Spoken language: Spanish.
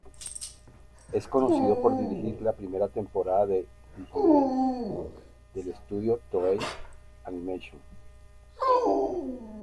Es conocido por dirigir la primera temporada de "Digimon" del estudio "Toei Animation".